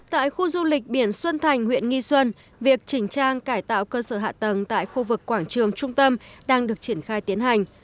tại khu du lịch biển xuân thành huyện nghi xuân việc chỉnh trang cải tạo cơ sở hạ tầng tại khu vực quảng trường trung tâm đang được triển khai tiến hành